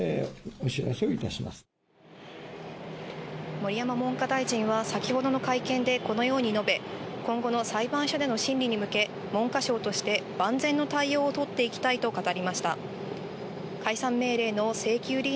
盛山文科大臣は先ほどの会見で、このように述べ、今後の裁判所での審理に向け、文科省として万全の対応をとっていきたいと語りました。